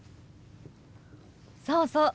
そうそう。